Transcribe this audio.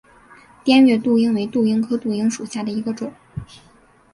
滇越杜英为杜英科杜英属下的一个种。